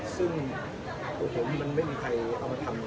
ซึ่งโอ้โหมันไม่มีใครเอามาทำเลย